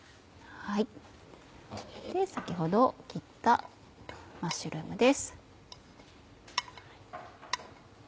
先ほど切ったマッシュルームです。